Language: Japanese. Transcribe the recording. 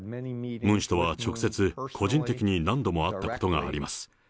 ムン氏とは直接、個人的に何度も会ったことがあります。